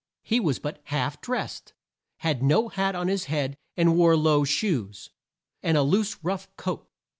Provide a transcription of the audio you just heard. He was but half drest, had no hat on his head, and wore low shoes, and a loose rough coat.